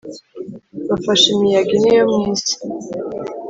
bafashe imiyaga ine yo mu isi,